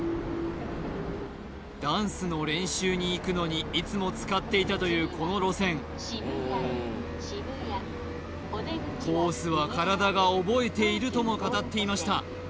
ダンスの練習に行くのにいつも使っていたというこの路線コースは体が覚えているとも語っていました